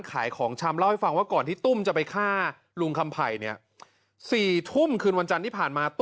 ก็เลยฆ่าซะเลยอืม